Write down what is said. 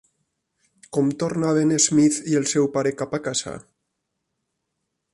Com tornaven Smith i el seu pare cap a casa?